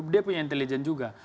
dia punya intelijen juga